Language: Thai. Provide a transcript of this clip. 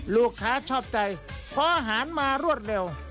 ลูกค้าชอบใจเพราะอาหารมารวดเร็ว